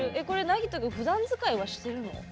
これなぎと君ふだん使いはしてるの？